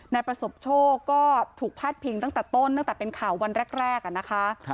ประสบโชคก็ถูกพาดพิงตั้งแต่ต้นตั้งแต่เป็นข่าววันแรกนะคะ